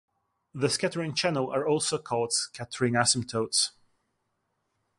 The scattering channel are also called scattering asymptotes.